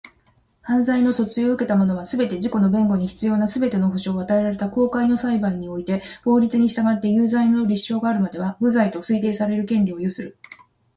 犯罪の訴追を受けた者は、すべて、自己の弁護に必要なすべての保障を与えられた公開の裁判において法律に従って有罪の立証があるまでは、無罪と推定される権利を有する。